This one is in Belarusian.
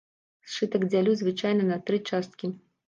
Сшытак дзялю звычайна на тры часткі.